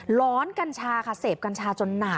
ร้อนกัญชาค่ะเสพกัญชาจนหนา